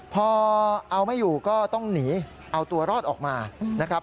พอเอาไม่อยู่ก็ต้องหนีเอาตัวรอดออกมานะครับ